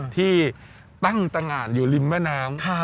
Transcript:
ที่ตั้งตงานอยู่ริมแม่น้ำ